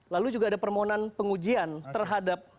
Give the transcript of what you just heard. lalu juga ada permohonan pengujian terhadap